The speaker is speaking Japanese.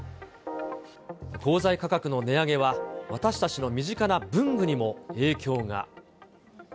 鋼材価格の値上げは、私たちの身近な文具にも影響が。